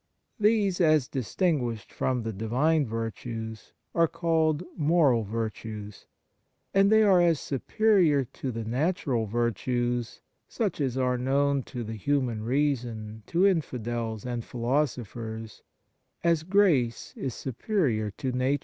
These as dis tinguished from Divine virtues are called moral virtues; and they are as superior to the natural virtues, such as are known to the human reason, to infidels and philo sophers, as grace is superior to ^nature.